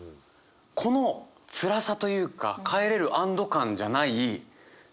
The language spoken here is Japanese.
このつらさというか帰れる安ど感じゃない何だろう？